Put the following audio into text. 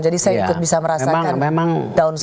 jadi saya ikut bisa merasakan down sekali